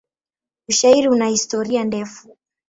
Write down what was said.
Ushairi una historia ndefu.